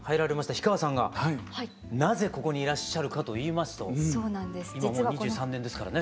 氷川さんがなぜここにいらっしゃるかといいますと今もう２３年ですからね。